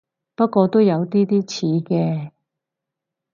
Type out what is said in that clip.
不過都有啲啲似嘅